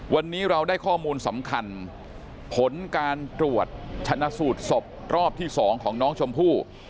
วันนี้เราได้ข้อมูลสำคัญผลการตรวจชนะสูตรศพรอบที่๒ของน้องชมพู่